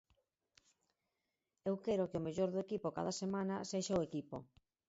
Eu quero que o mellor do equipo cada semana sexa o equipo.